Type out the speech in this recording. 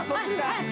はい！